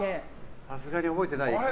さすがに覚えてない。